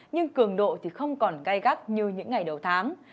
nhưng cường độ thì không còn gai gắt như những ngày đầu tháng